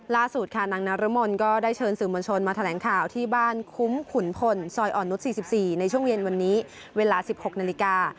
ล่าสุดค่ะนางนรมนก็ได้เชิญสื่อมวลชนมาแถลงข่าวที่บ้านคุ้มขุนพลซอยอ่อนนุษย์๔๔ในช่วงเย็นวันนี้เวลา๑๖นาฬิกา